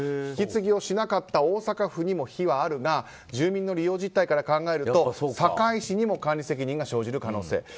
引き継ぎをしなかった大阪府にも非はあるが住民の利用実態から考えると堺市にも管理責任が生じる可能性。